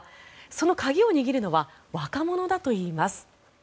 その鍵を握るのは若者だといいます。